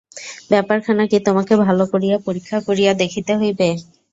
ব্যাপারখানা কী তোমাকে ভালো করিয়া পরীক্ষা করিয়া দেখিতে হইবে।